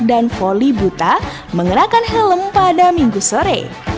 dan voli buta mengenakan helm pada minggu sore